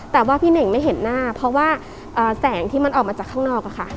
แต่ว่าพี่เน่งไม่เห็นหน้าเพราะว่าแสงที่มันออกมาจากข้างนอกอะค่ะ